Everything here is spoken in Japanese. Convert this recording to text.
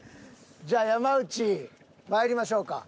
じゃあ山内まいりましょうか。